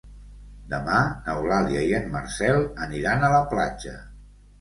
Demà n'Eulàlia i en Marcel aniran a la platja.